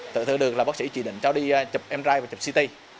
tự thưởng được là bác sĩ chỉ định cho đi chụp mri và chụp ct